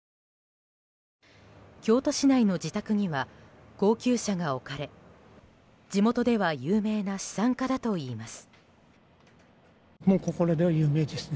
京都市内の自宅には高級車が置かれ地元では有名な資産家だといいます。